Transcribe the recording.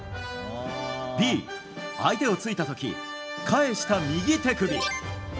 Ｂ、相手を突いた時返した右手首。